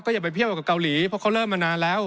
อย่าไปเที่ยวกับเกาหลีเพราะเขาเริ่มมานานแล้ว